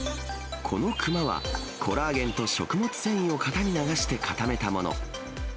このくまは、コラーゲンと食物繊維を型に流して固めたもの。